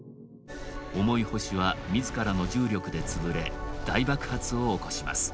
重い星は自らの重力で潰れ大爆発を起こします。